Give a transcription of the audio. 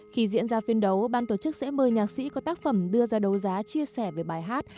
khi diễn ra phiên đấu ban tổ chức sẽ mời nhạc sĩ có tác phẩm đưa ra đấu giá chia sẻ về bài hát